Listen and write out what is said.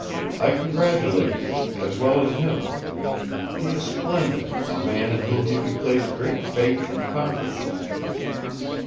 I congratulate you as well as him. He is splendid, a man in whom you can place great faith and confidence."